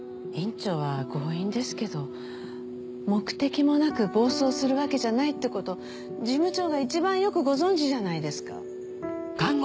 院長は強引ですけど目的もなく暴走するわけじゃないってこと事務長がいちばんよくご存じじゃないですか。